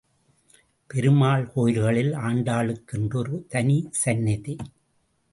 பெருமாள் கோயில்களில் ஆண்டாளுக்கு என்று ஒரு தனி சந்நிதி.